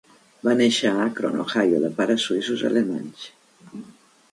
Va néixer a Akron, Ohio, de pares suïssos-alemanys.